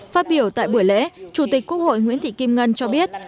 phát biểu tại buổi lễ chủ tịch quốc hội nguyễn thị kim ngân cho biết